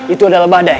itu adalah badai